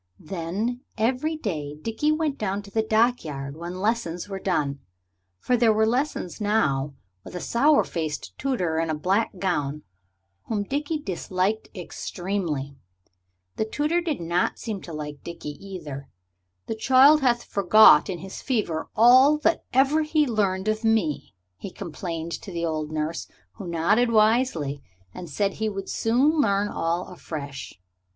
Then every day Dickie went down to the dockyard when lessons were done. For there were lessons now, with a sour faced tutor in a black gown, whom Dickie disliked extremely. The tutor did not seem to like Dickie either. "The child hath forgot in his fever all that ever he learned of me," he complained to the old nurse, who nodded wisely and said he would soon learn all afresh.